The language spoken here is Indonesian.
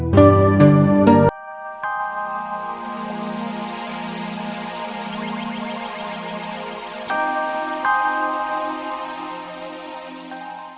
bunga jangan marah